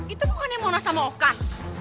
itu bukan yang monas sama okan